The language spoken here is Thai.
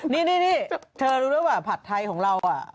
นี่เธอรู้หรือเปล่าผัดไทยของเรา